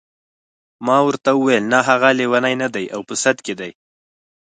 ما ورته وویل نه هغه لیونی نه دی او په سد کې دی.